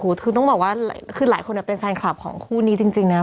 คือต้องบอกว่าคือหลายคนเป็นแฟนคลับของคู่นี้จริงนะ